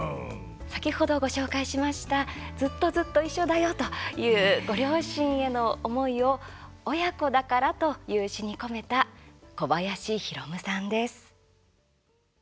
先ほどご紹介しましたずっとずっと一緒だよというご両親への思いを「親子だから」という詩に込めた小林宏夢さんです。